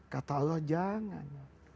kata allah jangan